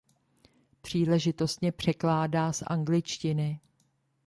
Příležitostně překládá z angličtiny.